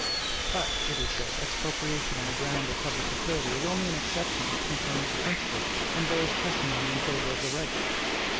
But, it is said, expropriation on the ground of public utility is only an exception which confirms the principle, and bears testimony in favor of the right.